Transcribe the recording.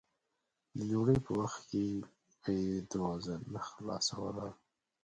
د ډوډۍ په وخت کې به یې دروازه نه خلاصوله.